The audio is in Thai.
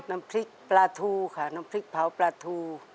น้ำพริกปลาทูค่ะน้ำพริกเผาปลาทู